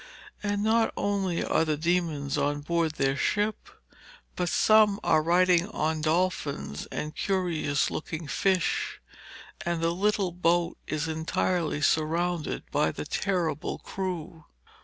And not only are the demons on board their ship, but some are riding on dolphins and curious looking fish, and the little boat is entirely surrounded by the terrible crew.